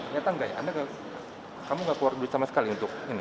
ternyata enggak ya kamu nggak keluar duit sama sekali untuk ini